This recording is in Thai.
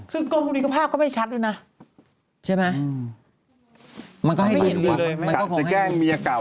ซึ่งโกงฮุลิกภาพก็ไม่ชัดดูนะใช่ไหมไม่เห็นเลยจะแกล้งเมียเก่า